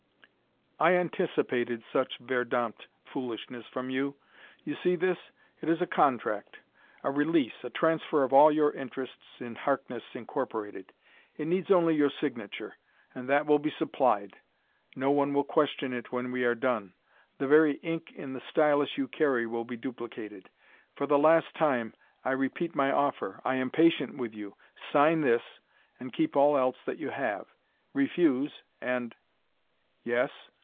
"I anticipated some such verdammpt foolishness from you. You see this? It is a contract; a release, a transfer of all your interests in Harkness, Incorporated. It needs only your signature, and that will be supplied. No one will question it when we are done: the very ink in the stylus you carry will be duplicated. For the last time, I repeat my offer; I am patient with you. Sign this, and keep all else that you have. Refuse, and " "Yes?"